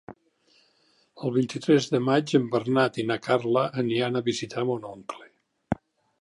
El vint-i-tres de maig en Bernat i na Carla aniran a visitar mon oncle.